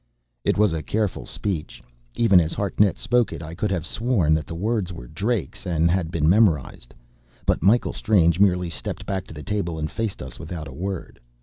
It was a careful speech. Even as Hartnett spoke it, I could have sworn that the words were Drake's, and had been memorized. But Michael Strange merely stepped back to the table and faced us without a word.